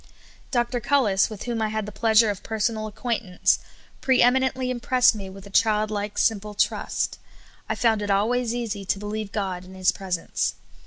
Dr. Cullis, with whom I had the pleasure of per sonal acquaintance, pre eminently impressed me with a child like, simple trust. I found it always easy to be lieve God in His presence.